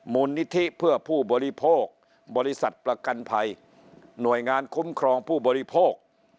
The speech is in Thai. มูลนิธิเพื่อผู้บริโภคบริษัทประกันภัยหน่วยงานคุ้มครองผู้บริโภค